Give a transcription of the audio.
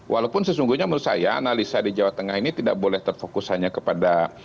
walaupun sesungguhnya menurut saya analisa di jawa tengah ini tidak boleh terfokus hanya kepada